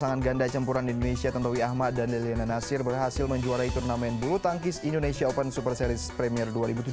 pasangan ganda campuran indonesia tantowi ahmad dan deliana nasir berhasil menjuarai turnamen bulu tangkis indonesia open super series premier dua ribu tujuh belas